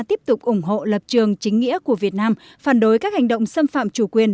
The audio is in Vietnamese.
tiếp tục ủng hộ lập trường chính nghĩa của việt nam phản đối các hành động xâm phạm chủ quyền